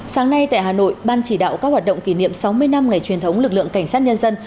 sáng nay tại hà nội ban chỉ đạo các hoạt động kỷ niệm sáu mươi năm ngày truyền thống lực lượng cảnh sát nhân dân